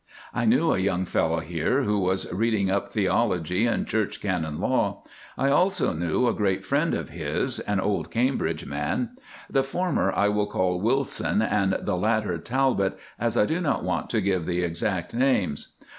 I knew a young fellow here who was reading up theology and Church canon law. I also knew a great friend of his, an old Cambridge man. The former I will call Wilson, and the latter Talbot, as I do not want to give the exact names.